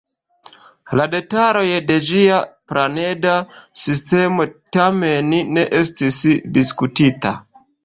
La detaloj de ĝia planeda sistemo, tamen, ne estis diskutita.